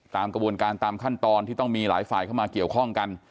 ตามกระบวนการตามขั้นตอนที่ต้องมีหลายฝ่ายเข้ามาเกี่ยวข้องกัน